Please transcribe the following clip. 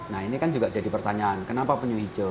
nah ini kan juga jadi pertanyaan kenapa penyu hijau